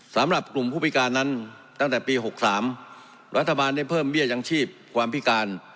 สำหรับกลุ่มผู้พิการนั้นตั้งแต่ปี๖๓รัฐบาลได้เพิ่มเบี้ยยังชีพความพิการ